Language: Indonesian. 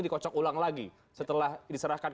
dikocok ulang lagi setelah diserahkan